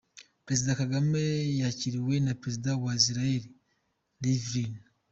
Perezida Kagame yakiriwe na Perezida wa Isiraheli Rivlin:.